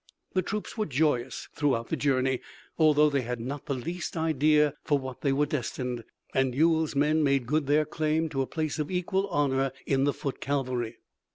The troops were joyous throughout the journey, although they had not the least idea for what they were destined, and Ewell's men made good their claim to a place of equal honor in the foot cavalry.